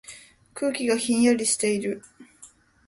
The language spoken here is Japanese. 空気がひんやりしている。